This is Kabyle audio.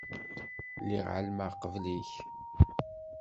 Lliɣ ɛelmeɣ qbel-ik.